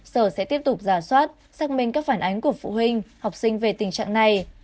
sở sẽ tiếp tục giả soát xác minh các phản ánh của phụ huynh học sinh về tình trạng này